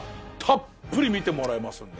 たっぷり見てもらえますんで。